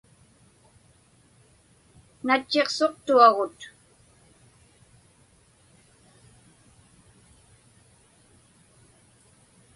Natchiqsuqtuagut.